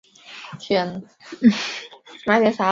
台湾台北电影奖最佳编剧获奖影片列表如下。